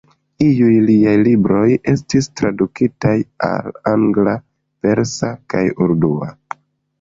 Iuj liaj libroj estis tradukitaj al angla, persa kaj urdua.